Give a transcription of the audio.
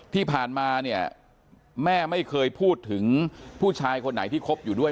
ที่ผ่านมาเนี่ยแม่ไม่เคยพูดถึงผู้ชายคนไหนที่คบอยู่ด้วย